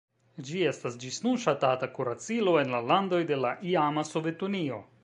Ĝi estas ĝis nun ŝatata kuracilo en la landoj de la iama Sovetunio.